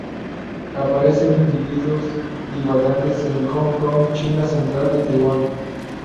Aparecen individuos divagantes en Hong Kong, China central y Taiwán.